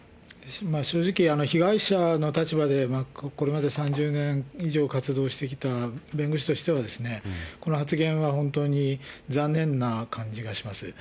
正直、被害者の立場でこれまで３０年以上活動してきた弁護士としてはですね、この発言は本当に残念な感じがします。